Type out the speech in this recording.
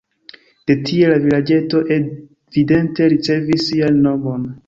De tie la vilaĝeto evidente ricevis sian nomon.